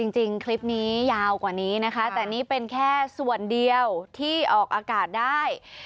จริงคลิปนี้ยาวกว่านี้นะคะแต่นี่เป็นแค่ส่วนเดียวที่ออกอากาศได้